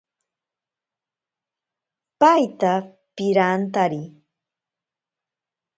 Paita pirantari.